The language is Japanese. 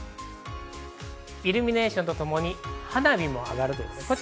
イルミネーションとともに花火も上がるんです。